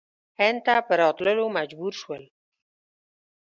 هند ته په راتللو مجبور شول.